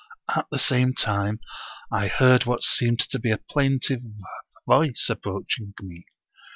At the same time I heard what seemed to be a plaintive voice approaching me.